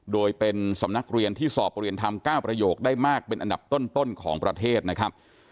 โดยเป็นสำนักเรียนที่สอบประเรียนธรรม๙ประโยคได้มากเป็นอันดับต้นของประเทศนะครับ